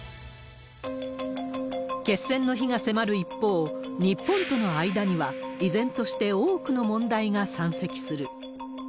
決戦の日が迫る一方、日本との間には依然として多くの問題が山積する。